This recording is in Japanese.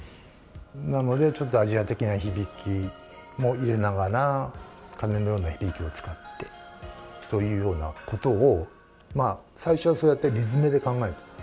なので、ちょっとアジア的な響きも入れながら、鐘のような響きを使って、というようなことを、最初はそうやって理詰めで考えた。